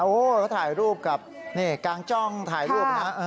โอ้โหเขาถ่ายรูปกับนี่กลางจ้องถ่ายรูปนะ